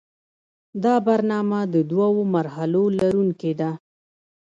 دا برنامه د دوو مرحلو لرونکې ده.